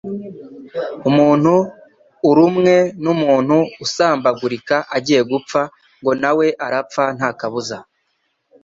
Umuntu urumwe n’umuntu usambagurika agiye gupfa, ngo nawe arapfa ntakabuza